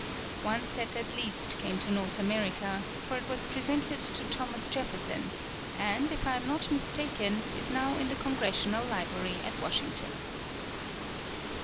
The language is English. One set at least came to North America, for it was presented to Thomas Jefferson, and, if I am not mistaken, is now in the Congressional Library at Washington.